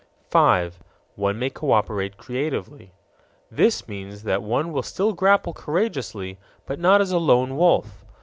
5. One may cooperate creatively. This means that one will still grapple courageously, but not as a lone wolf.